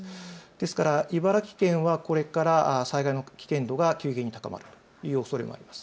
ですから茨城県はこれから災害の危険度が急激に高まるというおそれもあります。